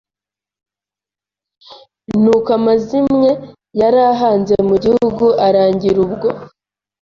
Nuko amazimwe yari ahanze mu Gihugu arangira ubwo;